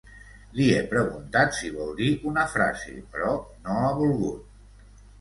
Li he preguntat si vol dir una frase però no ha volgut.